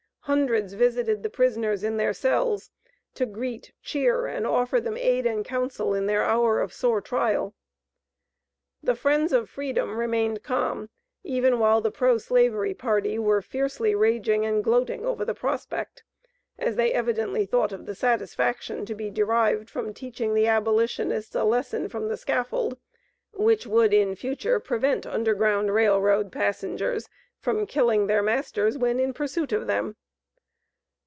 Hundreds visited the prisoners in their cells to greet, cheer, and offer them aid and counsel in their hour of sore trial. The friends of freedom remained calm even while the pro slavery party were fiercely raging and gloating over the prospect, as they evidently thought of the satisfaction to be derived from teaching the abolitionists a lesson from the scaffold, which would in future prevent Underground Rail Road passengers from killing their masters when in pursuit of them.